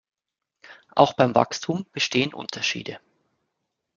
Auch beim Wachstum bestehen Unterschiede.